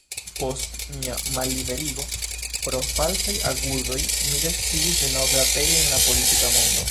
Post mia malliberigo pro falsaj akuzoj mi decidis denove aperi en la politika mondo".